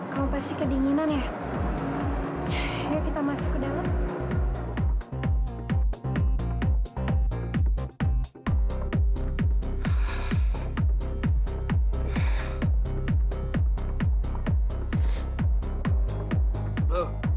kau pasti kedinginan ya kita masuk ke dalam